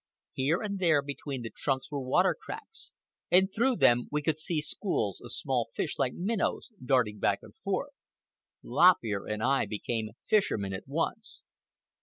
Here and there between the trunks were water cracks, and through them we could see schools of small fish, like minnows, darting back and forth. Lop Ear and I became fishermen at once.